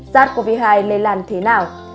sars cov hai lây làn thế nào